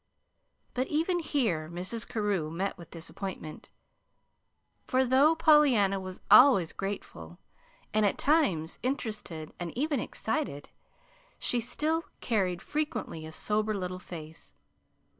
But even here Mrs. Carew met with disappointment; for, though Pollyanna was always grateful, and at times interested and even excited, she still carried frequently a sober little face.